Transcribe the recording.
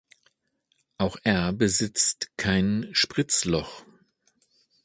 Auch er besitzt kein Spritzloch.